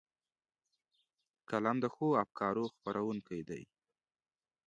قلم د ښو افکارو خپرونکی دی